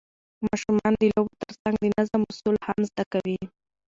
ماشومان د لوبو ترڅنګ د نظم اصول هم زده کوي